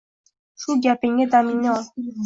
Shu gapingga damingni ol!